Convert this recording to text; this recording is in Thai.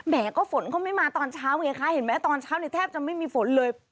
ก็ฝนเขาไม่มาตอนเช้าไงคะเห็นไหมตอนเช้าเนี่ยแทบจะไม่มีฝนเลย